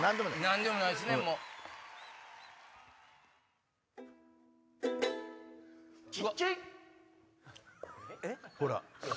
何でもないっすね。小っちゃい！